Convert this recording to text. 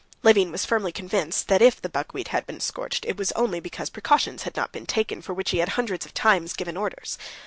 Levin was firmly convinced that if the buckwheat had been scorched, it was only because the precautions had not been taken, for which he had hundreds of times given orders.